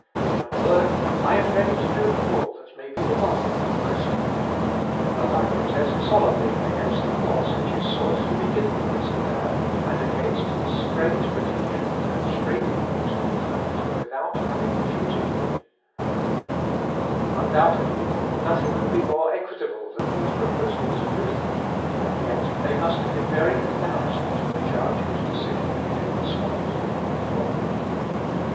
In a word, I am ready to do all that may be demanded of a Christian. But I protest solemnly against the course which is sought to be given to this affair, and against the strange pretension of constraining me to retract without having refuted me." Löscher, ii, 463; Luth. Op. (L.) xvii, p. 181, 209. Undoubtedly, nothing could be more equitable than these proposals of Luther, and yet they must have been very embarrassing to a judge whose decision had been prescribed to him beforehand.